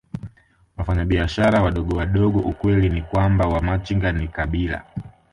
Wafanyabiashara wadogowadogo Ukweli ni kwamba Wamachinga ni kabila